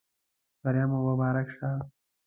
بریا مو مبارک شه.